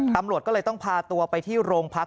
ตำรวจก็เลยต้องพาตัวไปที่โรงพัก